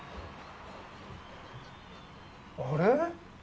あれ？